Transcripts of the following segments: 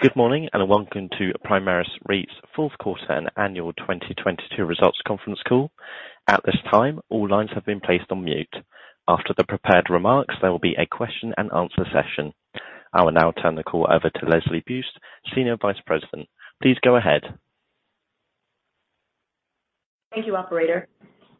Good morning, welcome to Primaris REIT's fourth quarter and annual 2022 results conference call. At this time, all lines have been placed on mute. After the prepared remarks, there will be a question-and-answer session. I will now turn the call over to Leslie Buist, Senior Vice President. Please go ahead. Thank you, operator.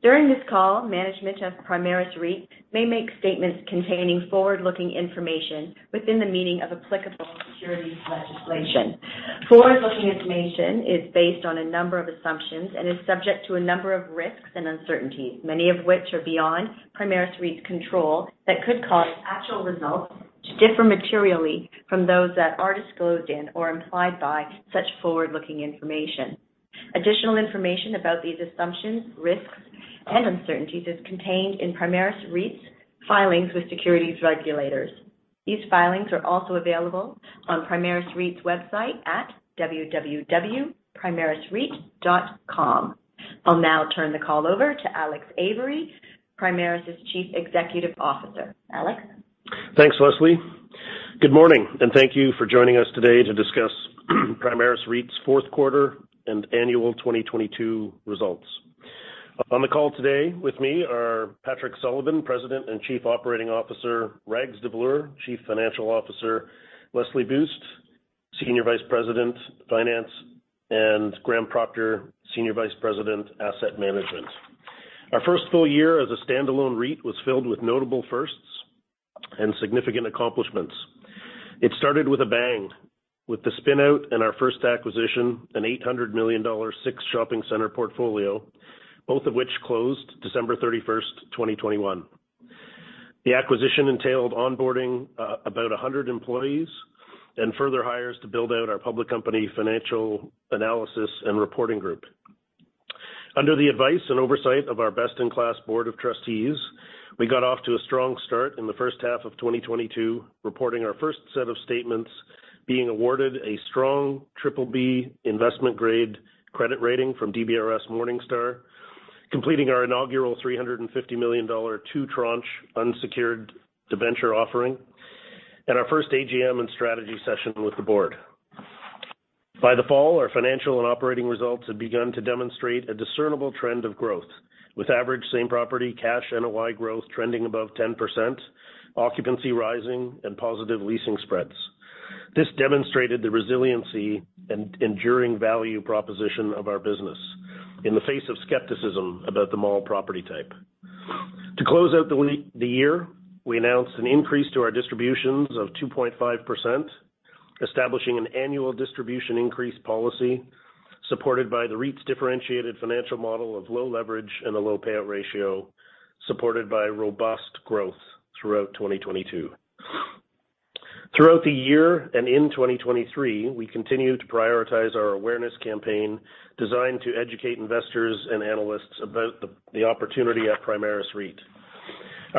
During this call, management of Primaris REIT may make statements containing forward-looking information within the meaning of applicable securities legislation. Forward-looking information is based on a number of assumptions and is subject to a number of risks and uncertainties, many of which are beyond Primaris REIT's control that could cause actual results to differ materially from those that are disclosed in or implied by such forward-looking information. Additional information about these assumptions, risks, and uncertainties is contained in Primaris REIT's filings with securities regulators. These filings are also available on Primaris REIT's website at www.primarisreit.com. I'll now turn the call over to Alex Avery, Primaris' Chief Executive Officer. Alex? Thanks, Leslie. Good morning, thank you for joining us today to discuss Primaris REIT's fourth quarter and annual 2022 results. On the call today with me are Patrick Sullivan, President and Chief Operating Officer, Rags Davloor, Chief Financial Officer, Leslie Buist, Senior Vice President, Finance, and Graham Procter, Senior Vice President, Asset Management. Our first full year as a standalone REIT was filled with notable firsts and significant accomplishments. It started with a bang with the spin-out and our first acquisition, a 800 million dollar six shopping center portfolio, both of which closed December thirty-first, 2021. The acquisition entailed onboarding about 100 employees and further hires to build out our public company financial analysis and reporting group. Under the advice and oversight of our best-in-class board of trustees, we got off to a strong start in the first half of 2022, reporting our first set of statements, being awarded a strong BBB investment grade credit rating from DBRS Morningstar, completing our inaugural 350 million dollar two-tranche unsecured debenture offering, and our first AGM and strategy session with the board. By the fall, our financial and operating results had begun to demonstrate a discernible trend of growth with average same-property cash NOI growth trending above 10%, occupancy rising and positive leasing spreads. This demonstrated the resiliency and enduring value proposition of our business in the face of skepticism about the mall property type. To close out the year, we announced an increase to our distributions of 2.5%, establishing an annual distribution increase policy, supported by the REIT's differentiated financial model of low leverage and a low payout ratio, supported by robust growth throughout 2022. Throughout the year and in 2023, we continued to prioritize our awareness campaign designed to educate investors and analysts about the opportunity at Primaris REIT.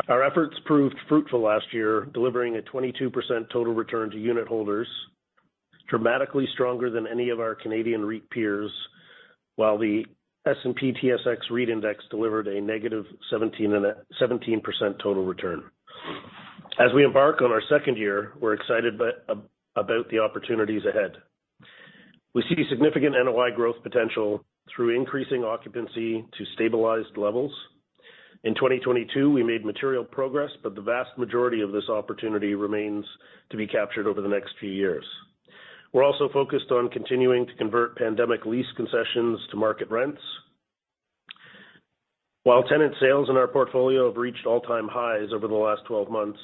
Our efforts proved fruitful last year, delivering a 22% total return to unitholders, dramatically stronger than any of our Canadian REIT peers while the S&P/TSX REIT Index delivered a -17% total return. As we embark on our second year, we're excited about the opportunities ahead. We see significant NOI growth potential through increasing occupancy to stabilized levels. In 2022, we made material progress, but the vast majority of this opportunity remains to be captured over the next few years. We're also focused on continuing to convert pandemic lease concessions to market rents. While tenant sales in our portfolio have reached all-time highs over the last 12 months,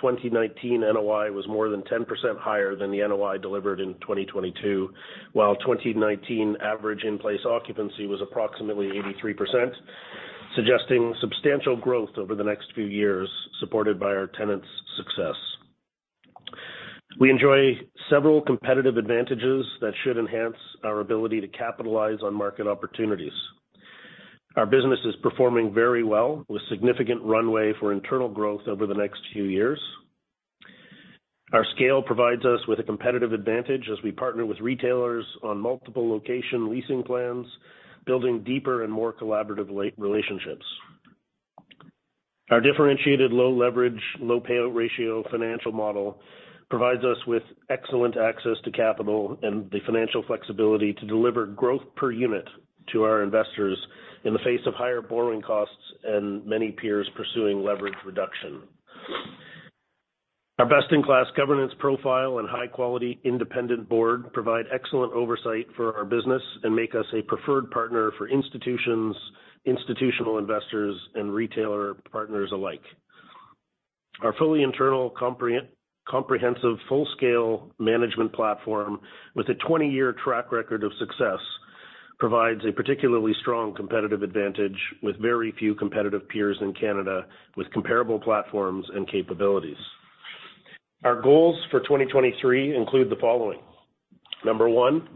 2019 NOI was more than 10% higher than the NOI delivered in 2022, while 2019 average in-place occupancy was approximately 83%, suggesting substantial growth over the next few years, supported by our tenants' success. We enjoy several competitive advantages that should enhance our ability to capitalize on market opportunities. Our business is performing very well, with significant runway for internal growth over the next few years. Our scale provides us with a competitive advantage as we partner with retailers on multiple location leasing plans, building deeper and more collaborative relationships. Our differentiated low leverage, low payout ratio financial model provides us with excellent access to capital and the financial flexibility to deliver growth per unit to our investors in the face of higher borrowing costs and many peers pursuing leverage reduction. Our best-in-class governance profile and high-quality independent board provide excellent oversight for our business and make us a preferred partner for institutions, institutional investors, and retailer partners alike. Our fully internal comprehensive full-scale management platform with a 20-year track record of success provides a particularly strong competitive advantage with very few competitive peers in Canada with comparable platforms and capabilities. Our goals for 2023 include the following. Number one,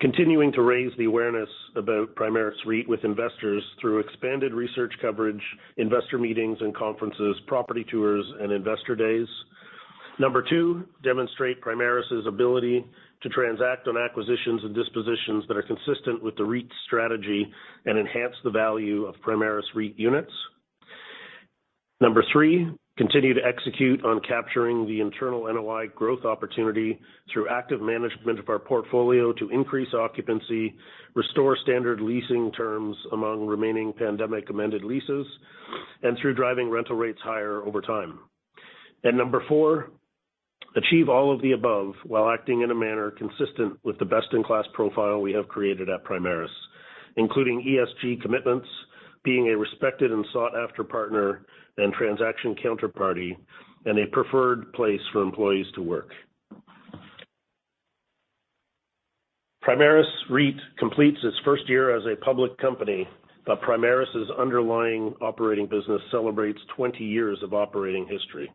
continuing to raise the awareness about Primaris REIT with investors through expanded research coverage, investor meetings and conferences, property tours, and investor days. Number two, demonstrate Primaris' ability to transact on acquisitions and dispositions that are consistent with the REIT's strategy and enhance the value of Primaris REIT units. Number three, continue to execute on capturing the internal NOI growth opportunity through active management of our portfolio to increase occupancy, restore standard leasing terms among remaining pandemic amended leases, and through driving rental rates higher over time. Number four, achieve all of the above while acting in a manner consistent with the best-in-class profile we have created at Primaris, including ESG commitments, being a respected and sought-after partner and transaction counterparty, and a preferred place for employees to work. Primaris REIT completes its first year as a public company, but Primaris' underlying operating business celebrates 20 years of operating history.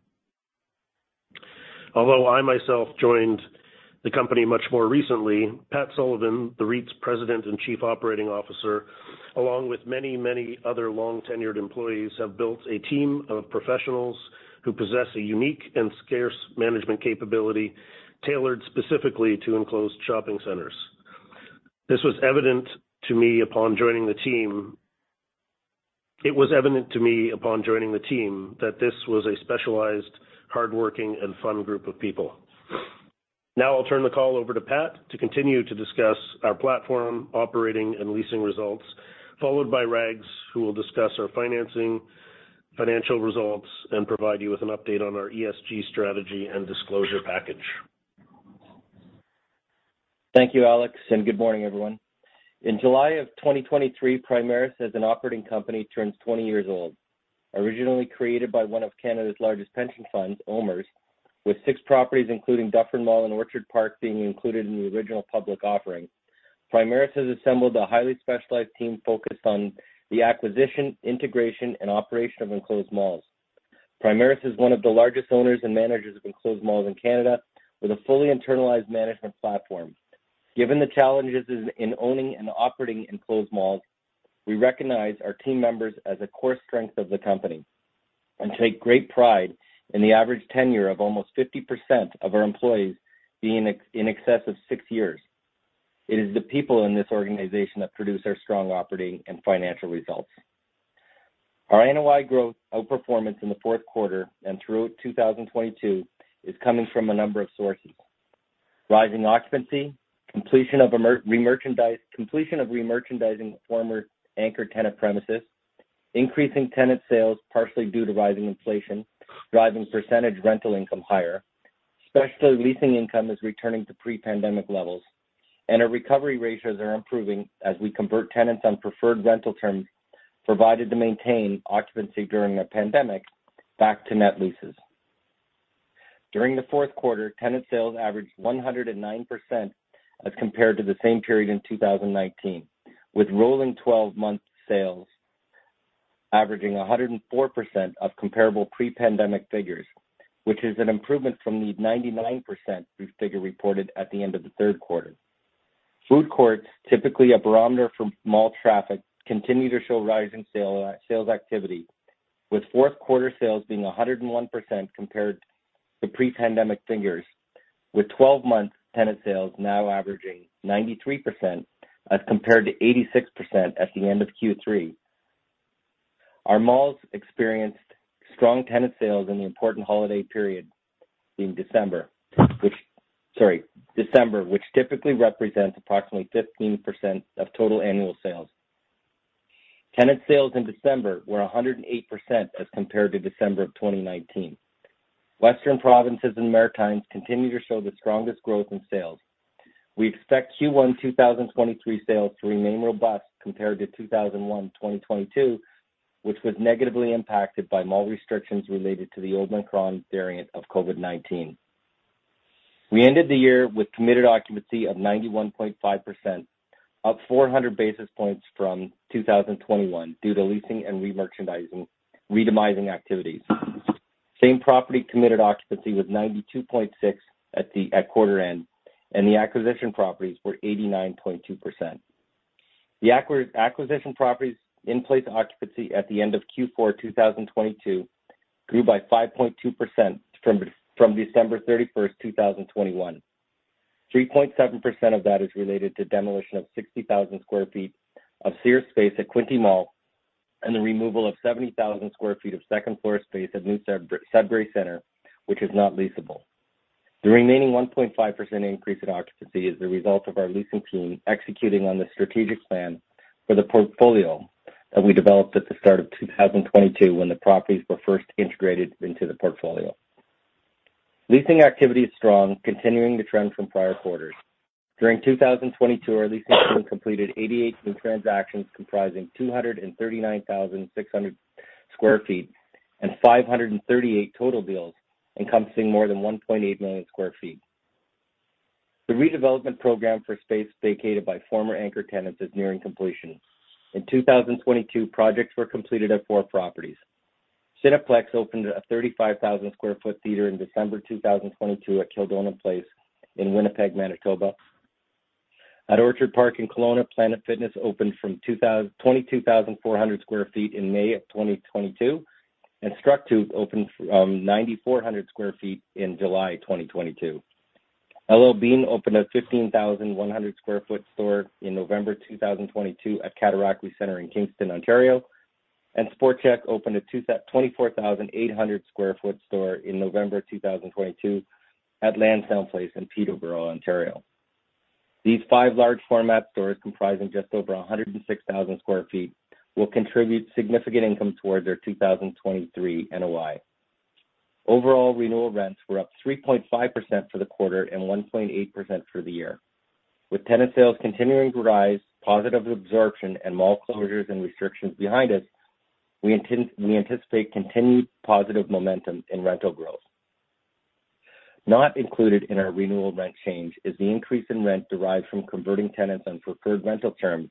Although I myself joined the company much more recently, Pat Sullivan, the REIT's President and Chief Operating Officer, along with many, many other long-tenured employees, have built a team of professionals who possess a unique and scarce management capability tailored specifically to enclosed shopping centers. This was evident to me upon joining the team. It was evident to me upon joining the team that this was a specialized, hardworking, and fun group of people. I'll turn the call over to Pat to continue to discuss our platform, operating, and leasing results, followed by Rags, who will discuss our financing, financial results, and provide you with an update on our ESG strategy and disclosure package. Thank you, Alex. Good morning, everyone. In July of 2023, Primaris, as an operating company, turns 20 years old. Originally created by one of Canada's largest pension funds, OMERS, with six properties, including Dufferin Mall and Orchard Park being included in the original public offering. Primaris has assembled a highly specialized team focused on the acquisition, integration, and operation of enclosed malls. Primaris is one of the largest owners and managers of enclosed malls in Canada, with a fully internalized management platform. Given the challenges in owning and operating enclosed malls, we recognize our team members as a core strength of the company and take great pride in the average tenure of almost 50% of our employees being in excess of six years. It is the people in this organization that produce our strong operating and financial results. Our NOI growth outperformance in the fourth quarter and throughout 2022 is coming from a number of sources. Rising occupancy, completion of remerchandising former anchor tenant premises, increasing tenant sales partially due to rising inflation, driving percentage rental income higher. Specialty leasing income is returning to pre-pandemic levels, and our recovery ratios are improving as we convert tenants on preferred rental terms provided to maintain occupancy during the pandemic back to net leases. During the fourth quarter, tenant sales averaged 109% as compared to the same period in 2019, with rolling 12-month sales averaging 104% of comparable pre-pandemic figures, which is an improvement from the 99% figure reported at the end of the third quarter. Food courts, typically a barometer for mall traffic, continue to show rising sales activity, with fourth quarter sales being 101% compared to pre-pandemic figures, with 12-month tenant sales now averaging 93% as compared to 86% at the end of Q3. Our malls experienced strong tenant sales in the important holiday period in December. December, which typically represents approximately 15% of total annual sales. Tenant sales in December were 108% as compared to December of 2019. Western provinces and Maritimes continue to show the strongest growth in sales. We expect Q1 2023 sales to remain robust compared to 2021, 2022, which was negatively impacted by mall restrictions related to the Omicron variant of COVID-19. We ended the year with committed occupancy of 91.5%, up 400 basis points from 2021 due to leasing and remerchandising, redemising activities. Same-property committed occupancy was 92.6% at quarter end, and the acquisition properties were 89.2%. The acquisition properties in place occupancy at the end of Q4 2022 grew by 5.2% from December 31, 2021. 3.7% of that is related to demolition of 60,000 sq ft of Sears space at Quinte Mall and the removal of 70,000 sq ft of second-floor space at New Sudbury Centre, which is not leasable. The remaining 1.5% increase in occupancy is the result of our leasing team executing on the strategic plan for the portfolio that we developed at the start of 2022 when the properties were first integrated into the portfolio. Leasing activity is strong, continuing the trend from prior quarters. During 2022, our leasing team completed 88 new transactions comprising 239,600 sq ft and 538 total deals encompassing more than 1.8 million sq ft. The redevelopment program for space vacated by former anchor tenants is nearing completion. In 2022, projects were completed at four properties. Cineplex opened a 35,000 sq ft theater in December 2022 at Kildonan Place in Winnipeg, Manitoba. At Orchard Park in Kelowna, Planet Fitness opened from 22,400 sq ft in May of 2022. Structube opened 9,400 sq ft in July 2022. L.L.Bean opened a 15,100 sq ft store in November 2022 at Cataraqui Centre in Kingston, Ontario. Sport Chek opened a 24,800 sq ft store in November 2022 at Lansdowne Place in Peterborough, Ontario. These five large format stores comprising just over 106,000 sq ft, will contribute significant income towards our 2023 NOI. Overall renewal rents were up 3.5% for the quarter and 1.8% for the year. With tenant sales continuing to rise, positive absorption and mall closures and restrictions behind us, we anticipate continued positive momentum in rental growth. Not included in our renewal rent change is the increase in rent derived from converting tenants on preferred rental terms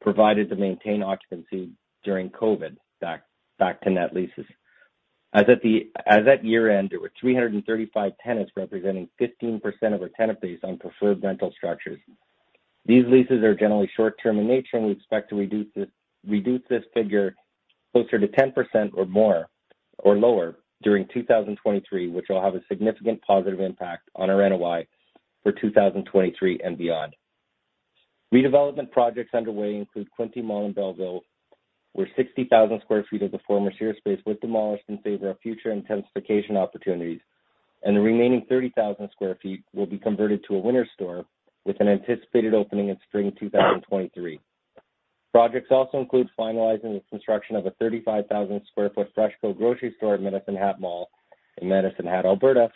provided to maintain occupancy during COVID back to net leases. As at year-end, there were 335 tenants representing 15% of our tenant base on preferred rental structures. These leases are generally short-term in nature, and we expect to reduce this figure closer to 10% or more, or lower during 2023, which will have a significant positive impact on our NOI for 2023 and beyond. Redevelopment projects underway include Quinte Mall in Belleville, where 60,000 sq ft of the former Sears space was demolished in favor of future intensification opportunities, and the remaining 30,000 sq ft will be converted to a Winners store with an anticipated opening in spring 2023. Projects also include finalizing the construction of a 35,000 sq ft FreshCo grocery store at Medicine Hat Mall in Medicine Hat, Alberta,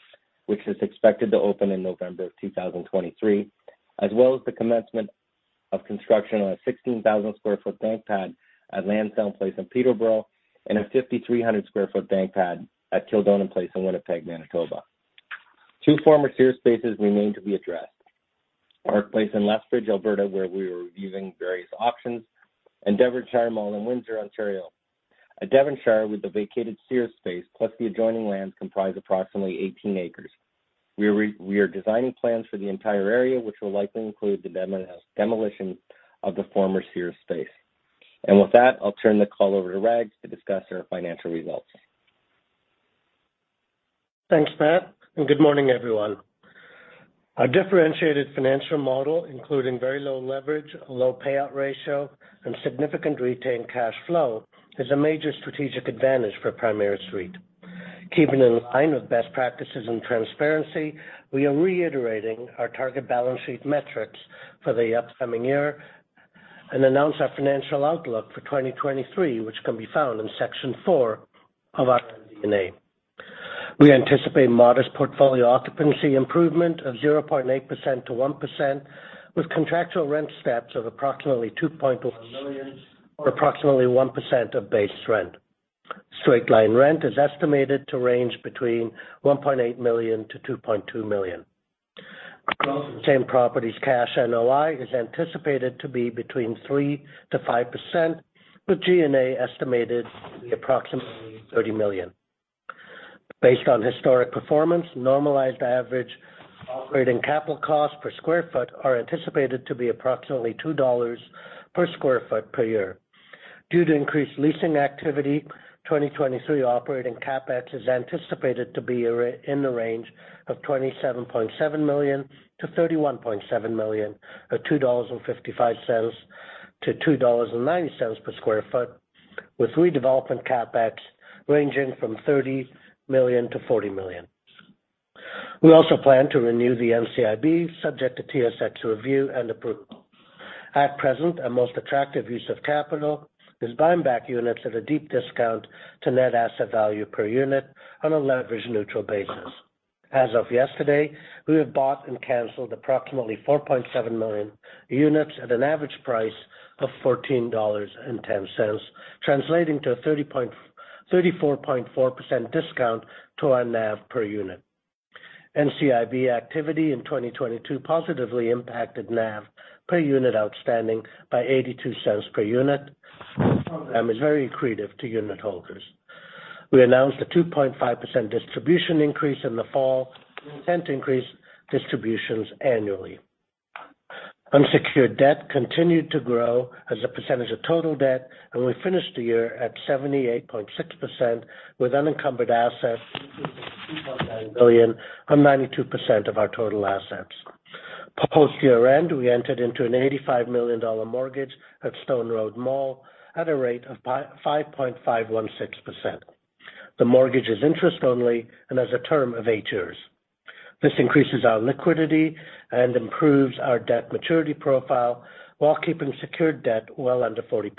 which is expected to open in November of 2023, as well as the commencement of construction on a 16,000 sq ft bank pad at Lansdowne Place in Peterborough and a 5,300 sq ft bank pad at Kildonan Place in Winnipeg, Manitoba. Two former Sears spaces remain to be addressed. Park Place in Lethbridge, Alberta, where we are reviewing various options, and Devonshire Mall in Windsor, Ontario. At Devonshire, with the vacated Sears space plus the adjoining land comprise approximately 18 acres. We are designing plans for the entire area, which will likely include the demolition of the former Sears space. With that, I'll turn the call over to Rags to discuss our financial results. Thanks, Pat. Good morning, everyone. Our differentiated financial model, including very low leverage, a low payout ratio, and significant retained cash flow, is a major strategic advantage for Primaris REIT. Keeping in line with best practices and transparency, we are reiterating our target balance sheet metrics for the upcoming year and announce our financial outlook for 2023, which can be found in Section 4 of our MD&A. We anticipate modest portfolio occupancy improvement of 0.8%-1%, with contractual rent steps of approximately $2.0 million, or approximately 1% of base rent. Straight-line rent is estimated to range between $1.8 million-$2.2 million. Growth in same-properties cash NOI is anticipated to be between 3%-5%, with G&A estimated to be approximately $30 million. Based on historic performance, normalized average operating capital costs per sq ft are anticipated to be approximately 2 dollars per sq ft per year. Due to increased leasing activity, 2023 operating CapEx is anticipated to be in the range of 27.7 million-31.7 million, or 2.55-2.90 dollars per sq ft, with redevelopment CapEx ranging from 30 million-40 million. We also plan to renew the NCIB subject to TSX review and approval. At present, our most attractive use of capital is buying back units at a deep discount to net asset value per unit on a leverage-neutral basis. As of yesterday, we have bought and canceled approximately 4.7 million units at an average price of 14.10 dollars, translating to a 34.4% discount to our NAV per unit. NCIB activity in 2022 positively impacted NAV per unit outstanding by 0.82 per unit. Our program is very accretive to unit holders. We announced a 2.5% distribution increase in the fall. We intend to increase distributions annually. Unsecured debt continued to grow as a percentage of total debt. We finished the year at 78.6%, with unencumbered assets increasing to 2.9 billion on 92% of our total assets. Post-year-end, we entered into a 85 million dollar mortgage at Stone Road Mall at a rate of 5.516%. The mortgage is interest only and has a term of eight years. This increases our liquidity and improves our debt maturity profile while keeping secured debt well under 40%.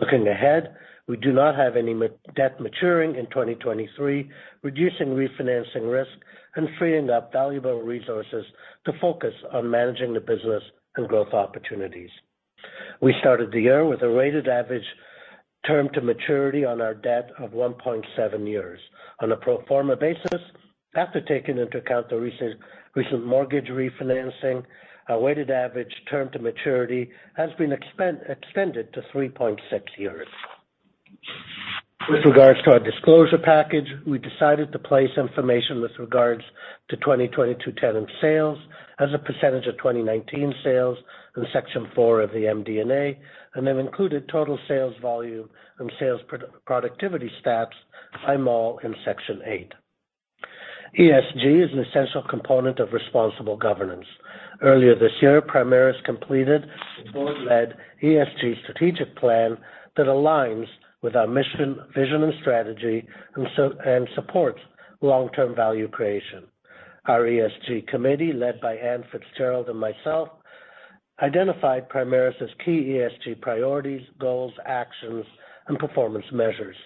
Looking ahead, we do not have any debt maturing in 2023, reducing refinancing risk and freeing up valuable resources to focus on managing the business and growth opportunities. We started the year with a weighted average term to maturity on our debt of 1.7 years. On a pro forma basis, after taking into account the recent mortgage refinancing, our weighted average term to maturity has been extended to 3.6 years. With regards to our disclosure package, we decided to place information with regards to 2022 tenant sales as a percentage of 2019 sales in Section 4 of the MD&A, and have included total sales volume and sales productivity stats all in Section 8. ESG is an essential component of responsible governance. Earlier this year, Primaris completed its board-led ESG strategic plan that aligns with our mission, vision, and strategy and supports long-term value creation. Our ESG committee, led by Anne Fitzgerald and myself, identified Primaris' key ESG priorities, goals, actions, and performance measures.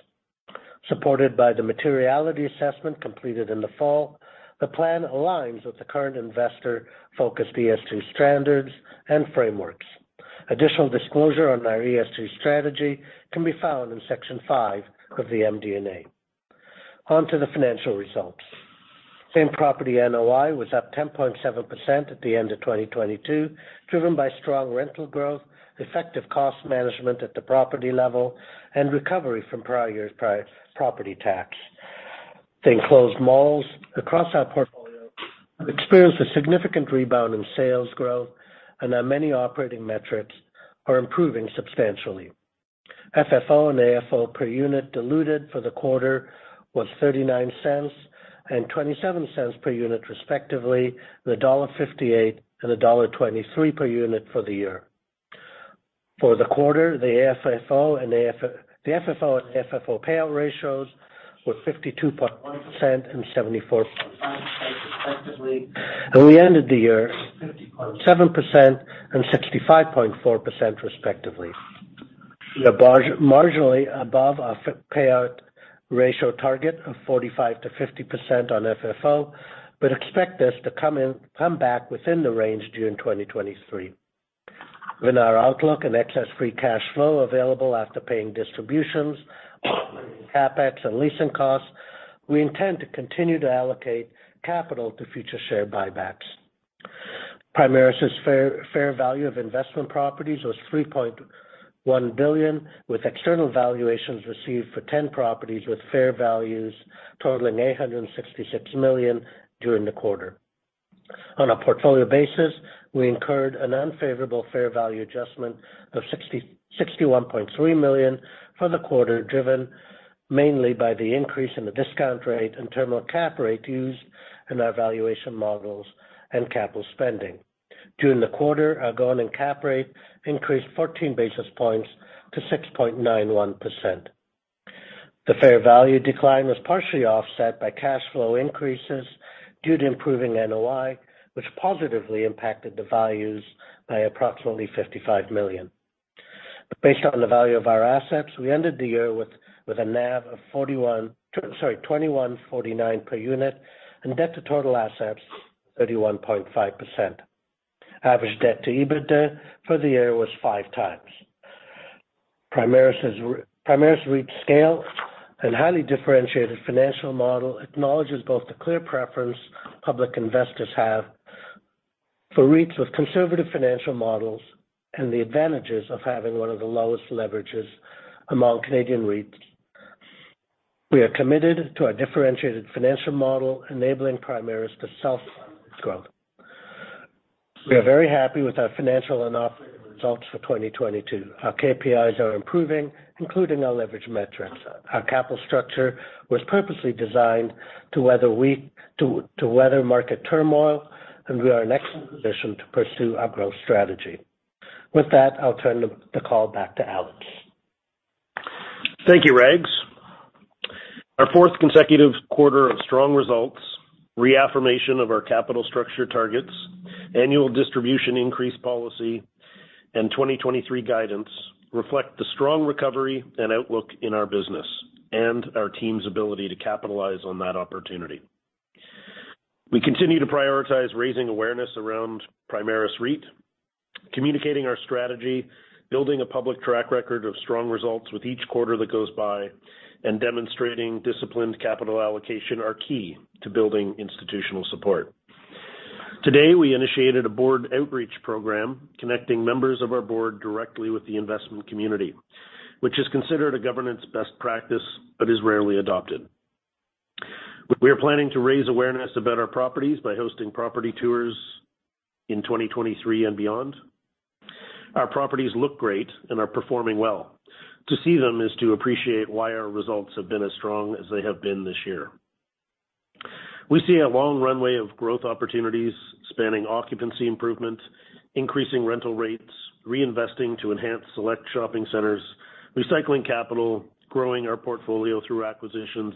Supported by the materiality assessment completed in the fall, the plan aligns with the current investor-focused ESG standards and frameworks. Additional disclosure on our ESG strategy can be found in Section 5 of the MD&A. On to the financial results. Same-property NOI was up 10.7% at the end of 2022, driven by strong rental growth, effective cost management at the property level, and recovery from prior year's property tax. The enclosed malls across our portfolio have experienced a significant rebound in sales growth, and our many operating metrics are improving substantially. FFO and AFFO per unit diluted for the quarter was $0.39 and $0.27 per unit, respectively, with $1.58 and $1.23 per unit for the year. For the quarter, the AFFO and the FFO payout ratios were 52.1% and 74.5% respectively, and we ended the year 50.7% and 65.4% respectively. We are marginally above our payout ratio target of 45%-50% on FFO, but expect this to come back within the range during 2023. Given our outlook and excess free cash flow available after paying distributions, CapEx, and leasing costs, we intend to continue to allocate capital to future share buybacks. Primaris' fair value of investment properties was 3.1 billion, with external valuations received for 10 properties with fair values totaling 866 million during the quarter. On a portfolio basis, we incurred an unfavorable fair value adjustment of 61.3 million for the quarter, driven mainly by the increase in the discount rate and terminal cap rate used in our valuation models and capital spending. During the quarter, our going-in cap rate increased 14 basis points to 6.91%. The fair value decline was partially offset by cash flow increases due to improving NOI, which positively impacted the values by approximately 55 million. Based on the value of our assets, we ended the year with a NAV of 21.49 per unit, and debt to total assets, 31.5%. Average debt to EBITDA for the year was 5x. Primaris REIT's scale and highly differentiated financial model acknowledges both the clear preference public investors have for REITs with conservative financial models and the advantages of having one of the lowest leverages among Canadian REITs. We are committed to our differentiated financial model, enabling Primaris to self-fund its growth. We are very happy with our financial and operating results for 2022. Our KPIs are improving, including our leverage metrics. Our capital structure was purposely designed to weather market turmoil, and we are in an excellent position to pursue our growth strategy. With that, I'll turn the call back to Alex. Thank you, Rags. Our fourth consecutive quarter of strong results, reaffirmation of our capital structure targets, annual distribution increase policy, and 2023 guidance reflect the strong recovery and outlook in our business and our team's ability to capitalize on that opportunity. We continue to prioritize raising awareness around Primaris REIT, communicating our strategy, building a public track record of strong results with each quarter that goes by, and demonstrating disciplined capital allocation are key to building institutional support. Today, we initiated a board outreach program connecting members of our board directly with the investment community, which is considered a governance best practice but is rarely adopted. We are planning to raise awareness about our properties by hosting property tours in 2023 and beyond. Our properties look great and are performing well. To see them is to appreciate why our results have been as strong as they have been this year. We see a long runway of growth opportunities spanning occupancy improvement, increasing rental rates, reinvesting to enhance select shopping centers, recycling capital, growing our portfolio through acquisitions,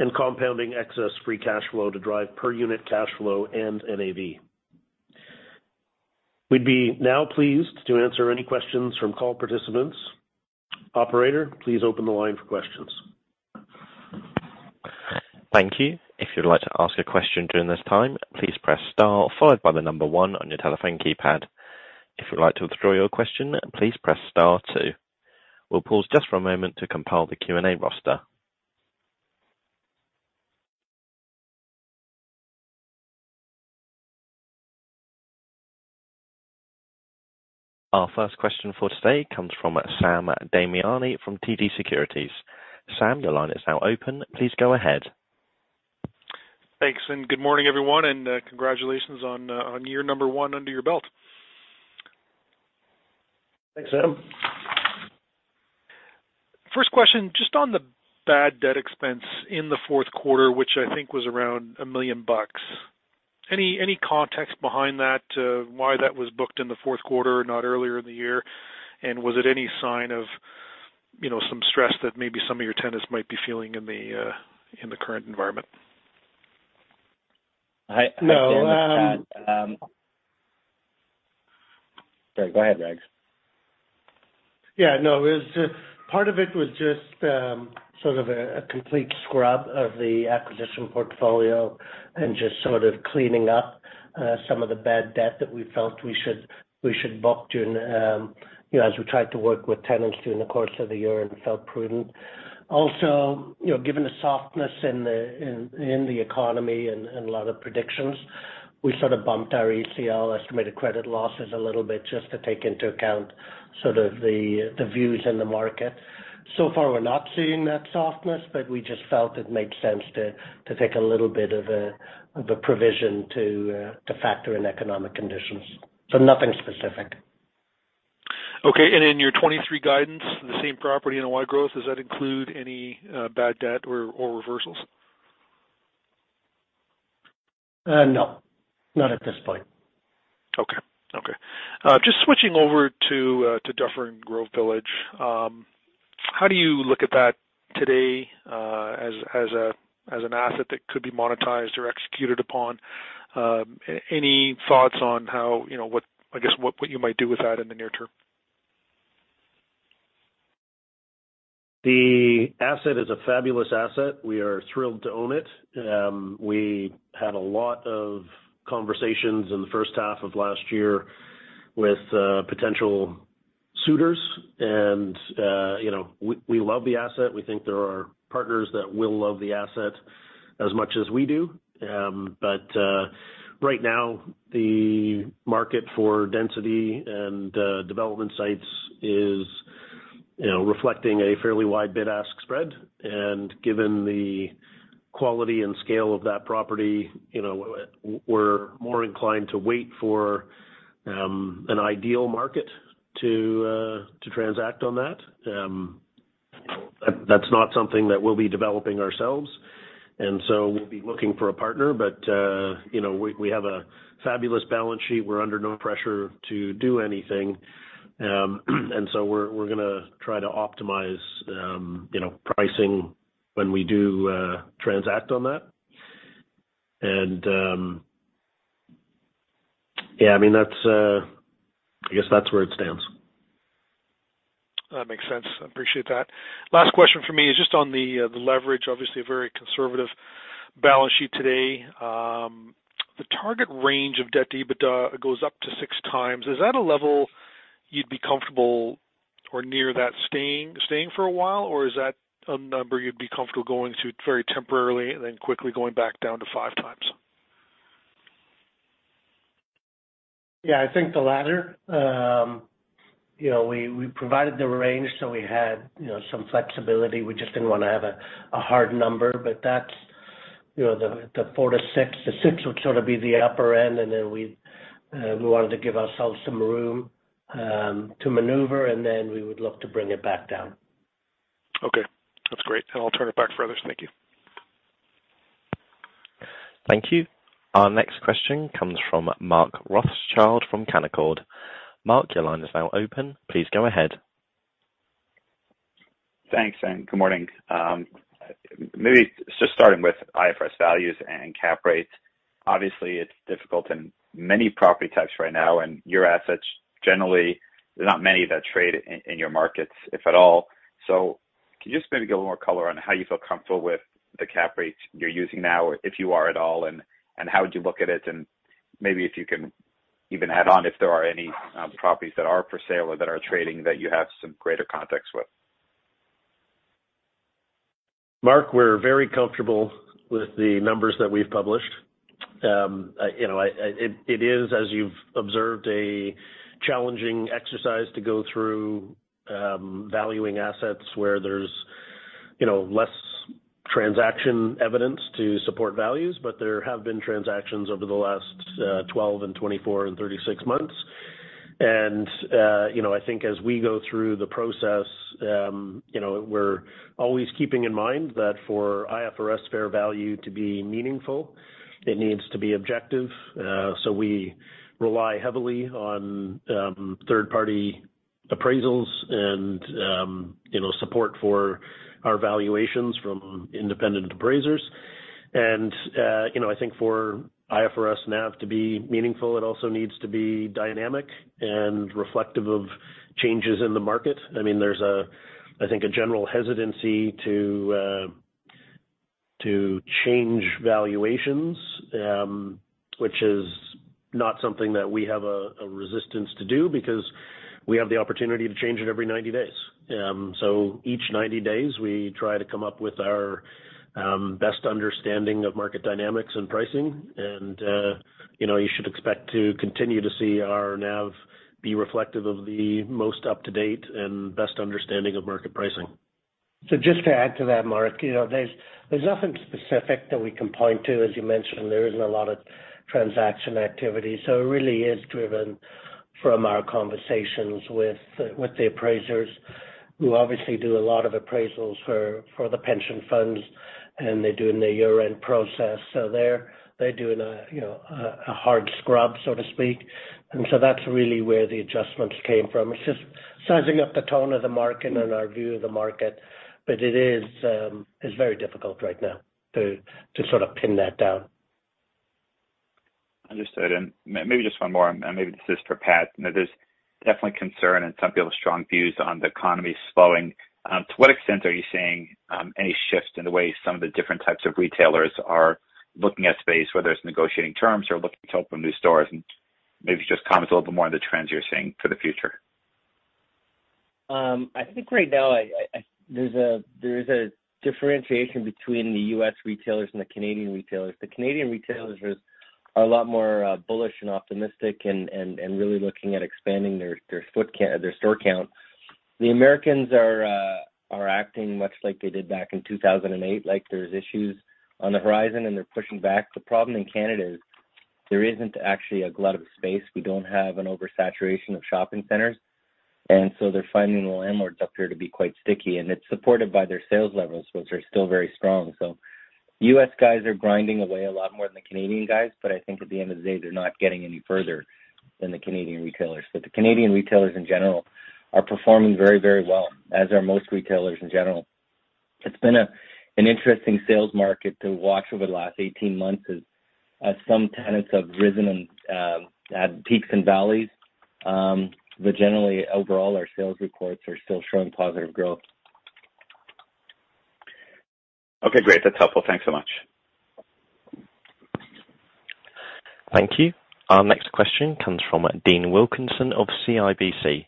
and compounding excess free cash flow to drive per unit cash flow and NAV. We'd be now pleased to answer any questions from call participants. Operator, please open the line for questions. Thank you. If you'd like to ask a question during this time, please press star followed by the number one on your telephone keypad. If you'd like to withdraw your question, please press star two. We'll pause just for a moment to compile the Q&A roster. Our first question for today comes from Sam Damiani from TD Securities. Sam, your line is now open. Please go ahead. Thanks. Good morning, everyone. Congratulations on year number one under your belt. Thanks Adam. First question, just on the bad debt expense in the fourth quarter, which I think was around 1 million bucks. Any context behind that, why that was booked in the fourth quarter, not earlier in the year? Was it any sign of some stress that maybe some of your tenants might be feeling in the current environment? I'd say on that. No. Sorry. Go ahead, Rags. Yeah, no. It was, part of it was just a complete scrub of the acquisition portfolio and just cleaning up, some of the bad debt that we felt we should book during, as we tried to work with tenants during the course of the year and felt prudent. You know, given the softness in the economy and a lot of predictions, we bumped our ECL, estimated credit losses, a little bit just to take into account the views in the market. So far, we're not seeing that softness, but we just felt it made sense to take a little bit of a provision to factor in economic conditions. Nothing specific. Okay. In your 23 guidance, the same-property NOI growth, does that include any bad debt or reversals? No, not at this point. Okay. Just switching over to Dufferin Grove Village. How do you look at that today, as an asset that could be monetized or executed upon? Any thoughts on how, you know, what, I guess what you might do with that in the near term? The asset is a fabulous asset. We are thrilled to own it. We had a lot of conversations in the first half of last year with potential suitors and we love the asset. We think there are partners that will love the asset as much as we do. Right now, the market for density and development sites is reflecting a fairly wide bid-ask spread. Given the quality and scale of that property, we're more inclined to wait for an ideal market to transact on that. That's not something that we'll be developing ourselves. We'll be looking for a partner. You know, we have a fabulous balance sheet. We're under no pressure to do anything. We're gonna try to optimize pricing when we do transact on that. Yeah, I mean, that's, I guess that's where it stands. That makes sense. I appreciate that. Last question for me is just on the leverage, obviously a very conservative balance sheet today. The target range of debt to EBITDA goes up to 6x. Is that a level you'd be comfortable or near that staying for a while? Or is that a number you'd be comfortable going to very temporarily and then quickly going back down to 5x? Yeah, I think the latter. You know, we provided the range, so we had some flexibility. We just didn't wanna have a hard number. That's, the four to six. The six would be the upper end. Then we'd, we wanted to give ourselves some room to maneuver. Then we would look to bring it back down. Okay, that's great. I'll turn it back for others. Thank you. Thank you. Our next question comes from Mark Rothschild from Canaccord. Mark, your line is now open. Please go ahead. Thanks. Good morning. Maybe just starting with IFRS values and cap rates. Obviously it's difficult in many property types right now, and your assets, generally, there's not many that trade in your markets, if at all. Can you just maybe give a little more color on how you feel comfortable with the cap rates you're using now, if you are at all, and how would you look at it? Maybe if you can even add on if there are any properties that are for sale or that are trading that you have some greater context with? Mark, we're very comfortable with the numbers that we've published. I, you know, it is, as you've observed, a challenging exercise to go through, valuing assets where there's less transaction evidence to support values, but there have been transactions over the last 12 and 24 and 36 months. You know, I think as we go through the process, we're always keeping in mind that for IFRS fair value to be meaningful, it needs to be objective. We rely heavily on third party appraisals and support for our valuations from independent appraisers. I think for IFRS NAV to be meaningful, it also needs to be dynamic and reflective of changes in the market. I mean, there's a, I think, a general hesitancy to change valuations, which is not something that we have a resistance to do because we have the opportunity to change it every 90 days. Each 90 days, we try to come up with our best understanding of market dynamics and pricing. You know, you should expect to continue to see our NAV be reflective of the most up-to-date and best understanding of market pricing. Just to add to that, Mark, there's nothing specific that we can point to. As you mentioned, there isn't a lot of transaction activity. It really is driven from our conversations with the appraisers who obviously do a lot of appraisals for the pension funds, and they're doing their year-end process. They're doing a hard scrub, so to speak. That's really where the adjustments came from. It's just sizing up the tone of the market and our view of the market. It is, it's very difficult right now to pin that down. Understood. Maybe just one more, and maybe this is for Pat. You know, there's definitely concern and some people have strong views on the economy slowing. To what extent are you seeing any shift in the way some of the different types of retailers are looking at space, whether it's negotiating terms or looking to open new stores? Maybe just comment a little bit more on the trends you're seeing for the future. I think right now there's a differentiation between the U.S. retailers and the Canadian retailers. The Canadian retailers are a lot more bullish and optimistic and really looking at expanding their store count. The Americans are acting much like they did back in 2008, like there's issues on the horizon, and they're pushing back. The problem in Canada is there isn't actually a glut of space. We don't have an oversaturation of shopping centers. They're finding the landlords up here to be quite sticky. It's supported by their sales levels, which are still very strong. U.S. guys are grinding away a lot more than the Canadian guys, but I think at the end of the day, they're not getting any further than the Canadian retailers. The Canadian retailers in general are performing very, very well, as are most retailers in general. It's been an interesting sales market to watch over the last 18 months as some tenants have risen and had peaks and valleys. Generally overall our sales reports are still showing positive growth. Okay, great. That's helpful. Thanks so much. Thank you. Our next question comes from Dean Wilkinson of CIBC.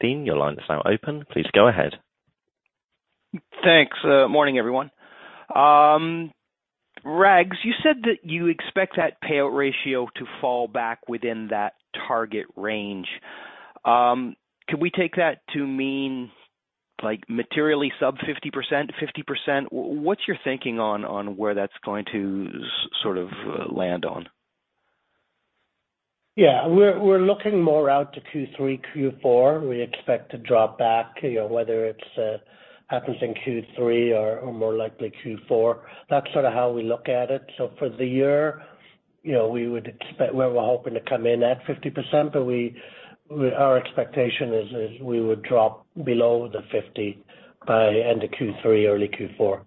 Dean, your line is now open. Please go ahead. Thanks. Morning, everyone. Rags, you said that you expect that payout ratio to fall back within that target range. Can we take that to mean, like, materially sub 50%? What's your thinking on where that's going to land on? Yeah. We're looking more out to Q3, Q4. We expect to drop back, whether it's happens in Q3 or more likely Q4. That's how we look at it. For the year, we would expect. We're hoping to come in at 50%, but our expectation is, we would drop below the 50 by end of Q3, early Q4.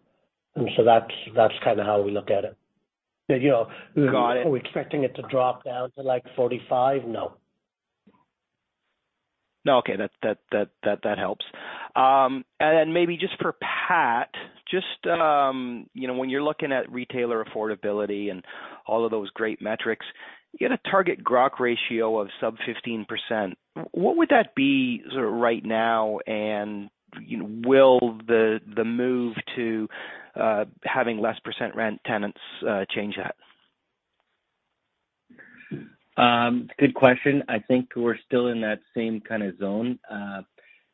That's how we look at it. You know. Got it. Are we expecting it to drop down to, like, 45? No. No. Okay. That helps. Then maybe just for Pat, just when you're looking at retailer affordability and all of those great metrics, you had a target GROC ratio of sub 15%. What would that be right now? You know, will the move to having less percent rent tenants change that? Good question. I think we're still in that same zone.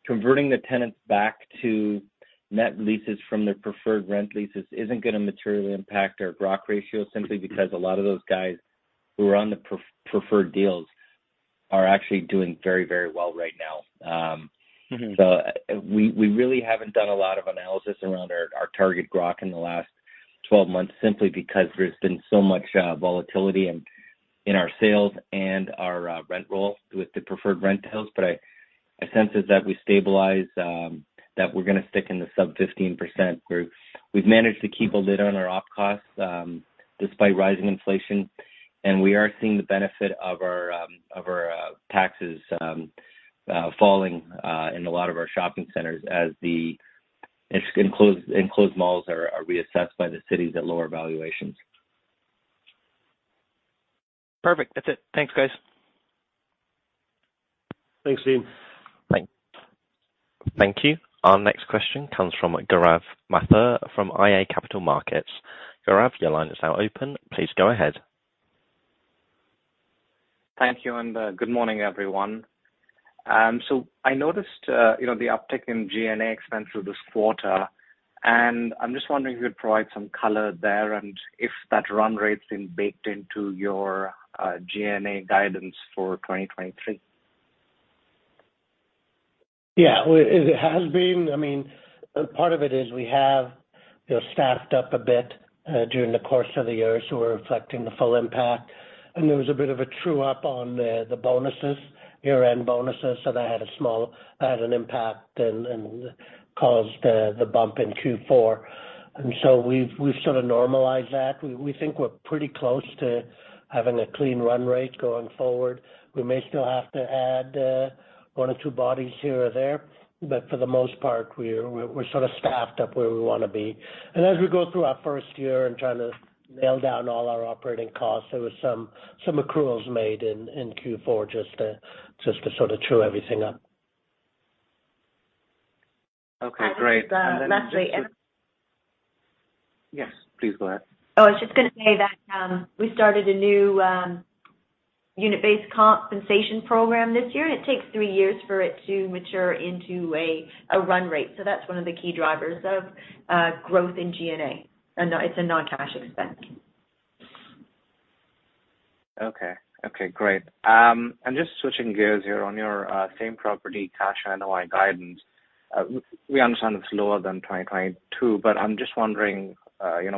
Converting the tenants back to net leases from their preferred rent leases isn't gonna materially impact our GROC ratio, simply because a lot of those guys who are on the preferred deals are actually doing very, very well right now. We really haven't done a lot of analysis around our target GROC in the last 12 months simply because there's been so much volatility in our sales and our rent roll with the preferred rent deals. I sense as that we stabilize that we're gonna stick in the sub 15%. We've managed to keep a lid on our op costs despite rising inflation, and we are seeing the benefit of our of our taxes falling in a lot of our shopping centers as the enclosed malls are reassessed by the cities at lower valuations. Perfect. That's it. Thanks, guys. Thanks, Dean. Thank you. Our next question comes from Gaurav Mathur from iA Capital Markets. Gaurav, your line is now open. Please go ahead. Thank you. Good morning, everyone. I noticed the uptick in G&A expense through this quarter, and I'm just wondering if you could provide some color there and if that run rate's been baked into your G&A guidance for 2023. Yeah. Well, it has been. I mean, part of it is we have staffed up a bit during the course of the year. We're reflecting the full impact. There was a bit of a true-up on the bonuses, year-end bonuses. That had an impact and caused the bump in Q4. We've normalized that. We think we're pretty close to having a clean run rate going forward. We may still have to add one or two bodies here or there. For the most part we're, we're staffed up where we wanna be. As we go through our first year and trying to nail down all our operating costs, there was some accruals made in Q4 just to sort of true everything up. Okay, great. Yes, please go ahead. I was just gonna say that we started a new unit-based compensation program this year, and it takes three years for it to mature into a run rate. That's one of the key drivers of growth in G&A. It's a non-cash expense. Okay, great. Just switching gears here on your same-property, cash NOI guidance. We understand it's lower than 2022, I'm just wondering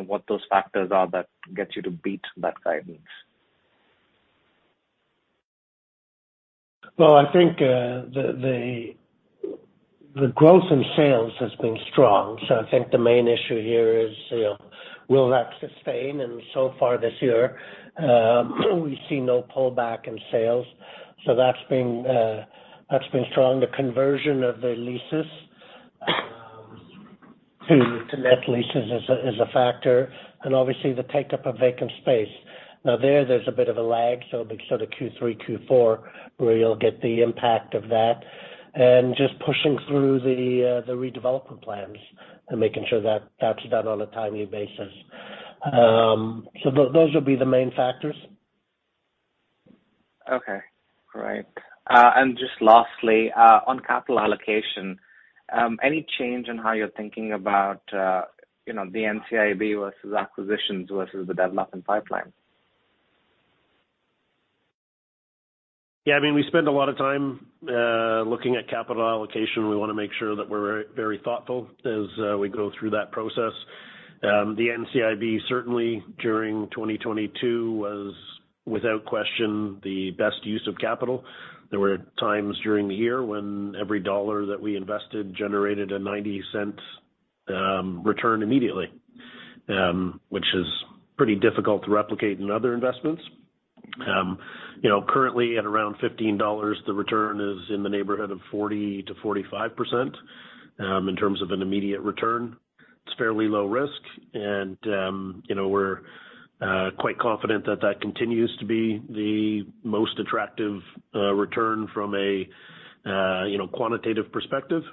what those factors are that gets you to beat that guidance. Well, I think the growth in sales has been strong. I think the main issue here is, will that sustain? So far this year, we've seen no pullback in sales. That's been strong. The conversion of the leases to net leases is a factor, and obviously the take-up of vacant space. Now, there's a bit of a lag, so be Q3, Q4, where you'll get the impact of that. Just pushing through the redevelopment plans and making sure that that's done on a timely basis. Those will be the main factors. Okay. All right. Just lastly, on capital allocation, any change in how you're thinking about the NCIB versus acquisitions versus the development pipeline? Yeah, I mean, we spend a lot of time looking at capital allocation. We wanna make sure that we're very thoughtful as we go through that process. The NCIB certainly during 2022 was, without question, the best use of capital. There were times during the year when every dollar that we invested generated a 0.90 return immediately, which is pretty difficult to replicate in other investments. You know, currently at around 15 dollars, the return is in the neighborhood of 40%-45% in terms of an immediate return. It's fairly low risk and we're quite confident that that continues to be the most attractive return from a quantitative perspective.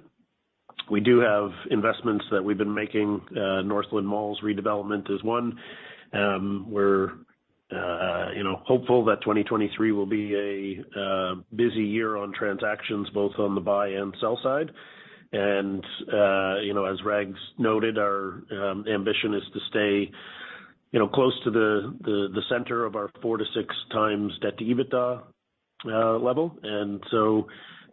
We do have investments that we've been making. Northland Malls redevelopment is one. We're hopeful that 2023 will be a busy year on transactions both on the buy and sell side. As Rags noted, our ambition is to stay, close to the center of our 4x-6x debt to EBITDA level.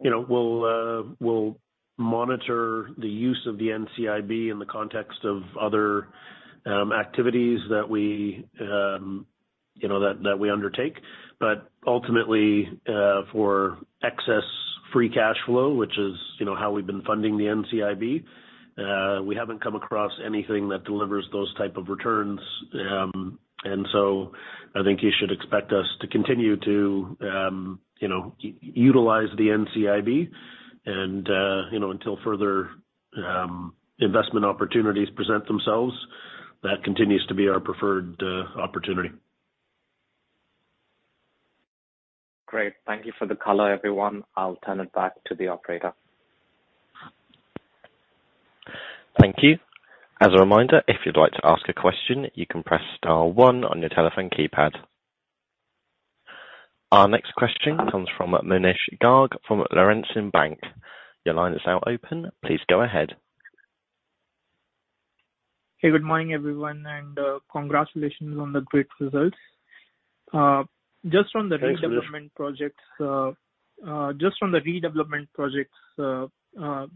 Well, we'll monitor the use of the NCIB in the context of other activities that we undertake. Ultimately, for excess free cash flow, which is, how we've been funding the NCIB, we haven't come across anything that delivers those type of returns. I think you should expect us to continue to utilize the NCIB and until further, investment opportunities present themselves, that continues to be our preferred opportunity. Great. Thank you for the color, everyone. I'll turn it back to the operator. Thank you. As a reminder, if you'd like to ask a question, you can press star one on your telephone keypad. Our next question comes from Munish Garg from Laurentian Bank. Your line is now open. Please go ahead. Hey, good morning, everyone, and congratulations on the great results. Thanks, Munish. Just on the redevelopment projects.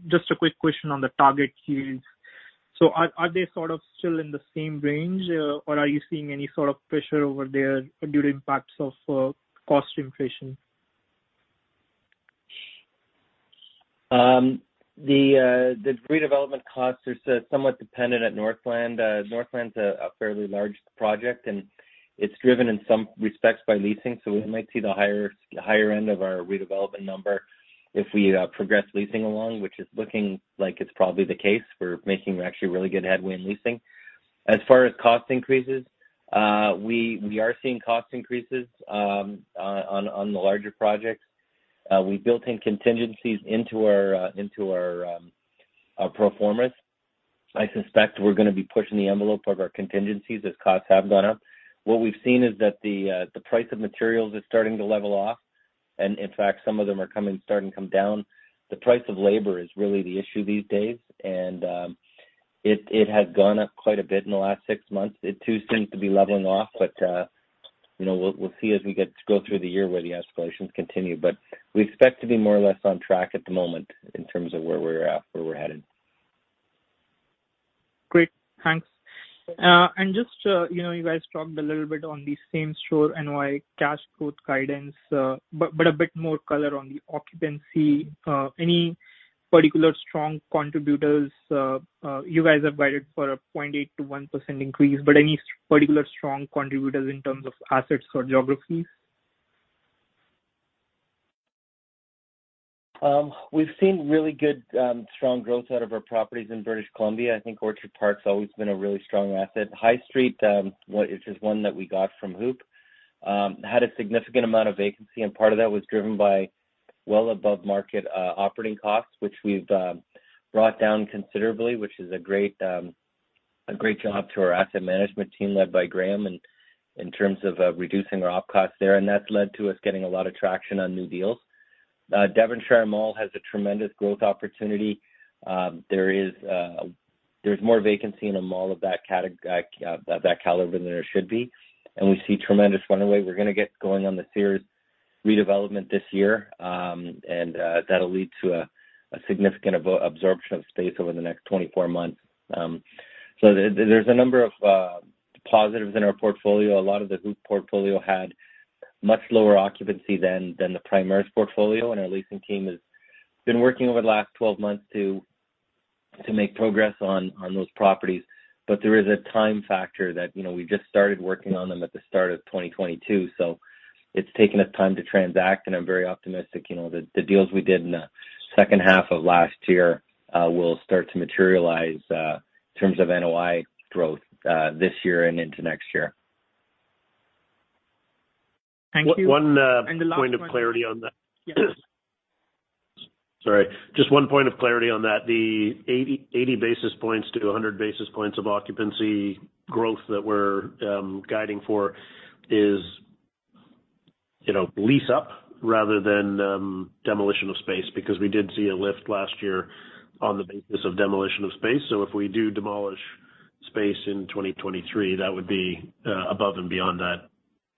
Just a quick question on the target yields. Are they still in the same range? Or are you seeing any pressure over there due to impacts of cost inflation? The redevelopment costs are somewhat dependent at Northland. Northland's a fairly large project, and it's driven in some respects by leasing, so we might see the higher end of our redevelopment number if we progress leasing along, which is looking like it's probably the case. We're making actually really good headway in leasing. As far as cost increases, we are seeing cost increases on the larger projects. We built in contingencies into our into our pro formas. I suspect we're gonna be pushing the envelope of our contingencies as costs have gone up. What we've seen is that the price of materials is starting to level off, and in fact, some of them are starting to come down. The price of labor is really the issue these days, and it has gone up quite a bit in the last six months. It too seems to be leveling off. You know, we'll see as we go through the year whether the escalations continue. We expect to be more or less on track at the moment in terms of where we're at, where we're headed. Great. Thanks. Just, you guys talked a little bit on the same-store NOI cash growth guidance, but a bit more color on the occupancy. Any particular strong contributors? You guys have guided for a 0.8%-1% increase, but any particular strong contributors in terms of assets or geographies? We've seen really good strong growth out of our properties in British Columbia. I think Orchard Park's always been a really strong asset. Highstreet, which is one that we got from HOOPP, had a significant amount of vacancy, and part of that was driven by. Well above market operating costs, which we've brought down considerably, which is a great, a great job to our asset management team led by Graham in terms of reducing our op costs there. That's led to us getting a lot of traction on new deals. Devonshire Mall has a tremendous growth opportunity. There is more vacancy in a mall of that caliber than there should be, and we see tremendous runaway. We're gonna get going on the Sears redevelopment this year, and that'll lead to a significant absorption of space over the next 24 months. There's a number of positives in our portfolio. A lot of the HOOPP portfolio had much lower occupancy than the Primaris portfolio, and our leasing team has been working over the last 12 months to make progress on those properties. There is a time factor that we just started working on them at the start of 2022, so it's taken us time to transact, and I'm very optimistic that the deals we did in the second half of last year, will start to materialize in terms of NOI growth this year and into next year. Thank you. One. The last one-. Point of clarity on that. Yes. Just one point of clarity on that. The 80 basis points to 100 basis points of occupancy growth that we're guiding for is lease up rather than demolition of space because we did see a lift last year on the basis of demolition of space. If we do demolish space in 2023, that would be above and beyond that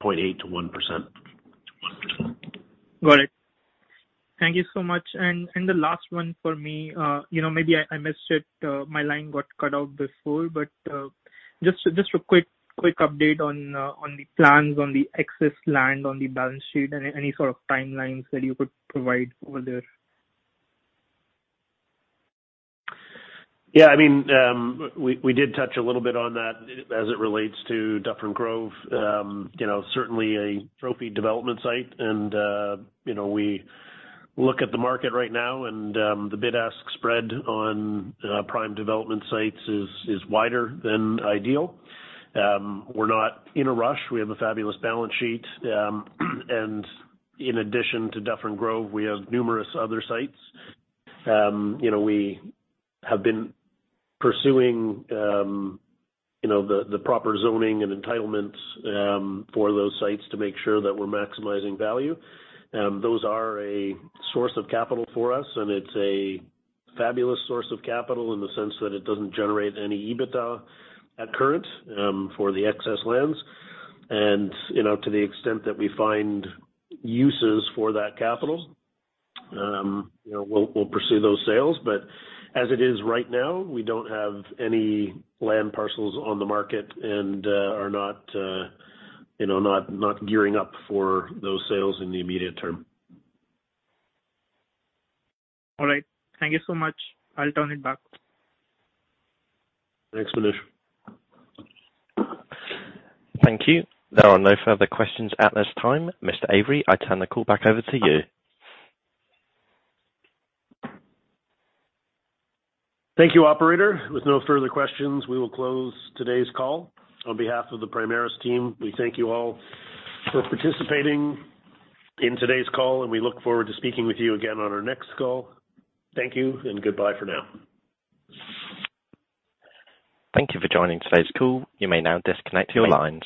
0.8%-1%. Got it. Thank you so much. The last one for me, maybe I missed it. My line got cut out before. Just a quick update on the plans on the excess land on the balance sheet. Any timelines that you could provide over there? Yeah. I mean, we did touch a little bit on that as it relates to Dufferin Grove. You know, certainly a trophy development site and we look at the market right now and the bid-ask spread on prime development sites is wider than ideal. We're not in a rush. We have a fabulous balance sheet. In addition to Dufferin Grove, we have numerous other sites. You know, we have been pursuing the proper zoning and entitlements for those sites to make sure that we're maximizing value. Those are a source of capital for us, and it's a fabulous source of capital in the sense that it doesn't generate any EBITDA at current for the excess lands. You know, to the extent that we find uses for that capital, we'll pursue those sales. As it is right now, we don't have any land parcels on the market and are not gearing up for those sales in the immediate term. All right. Thank you so much. I'll turn it back. Thanks, Munish. Thank you. There are no further questions at this time. Mr. Avery, I turn the call back over to you. Thank you, operator. With no further questions, we will close today's call. On behalf of the Primaris team, we thank you all for participating in today's call, and we look forward to speaking with you again on our next call. Thank you and goodbye for now. Thank you for joining today's call. You may now disconnect your lines.